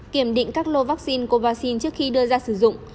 kiểm định các lô vaccine covaxin trước khi đưa ra sử dụng